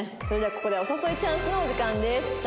それではここでお誘いチャンスのお時間です。